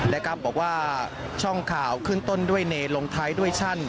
และบอกว่าช่องข่าวขึ้นต้นด้วยเนรลงท้ายด้วยชั่น